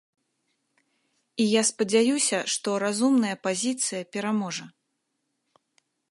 І я спадзяюся, што разумная пазіцыя пераможа.